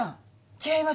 違います？